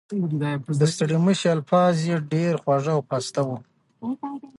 د ستړي مشي الفاظ یې ډېر خواږه او پاسته وو.